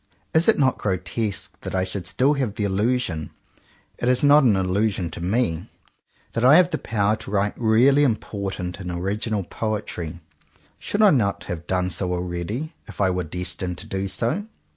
Is it not grotesque that I should still have the illusion — it is not an illusion to me — that I have the power to write really important and original poetry? Should I not have done so already, if I were destined to do so?